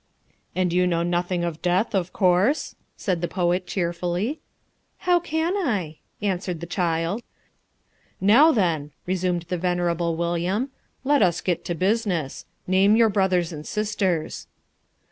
"And you know nothing of death, of course?" said the poet cheerfully. "How can I?" answered the child. "Now then," resumed the venerable William, "let us get to business. Name your brothers and sisters."